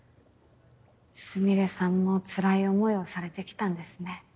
スミレさんもつらい思いをされてきたんですね。